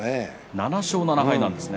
７勝７敗なんですね。